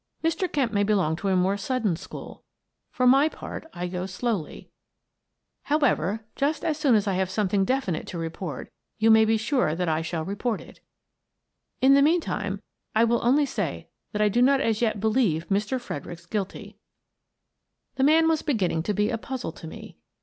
Mr. Kemp may belong to a more sudden school; for my part, I go slowly. How 154 Miss Frances Baird, Detective ever, just as soon as I have something definite to report, you may be sure that I shall report it In the meantime, I will only say that I do not as yet believe Mr. Fredericks guilty/' The man was beginning to be a puzzle to me.